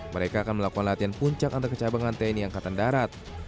mereka akan melakukan latihan puncak antar kecabangan tni angkatan darat